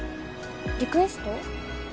リクエスト？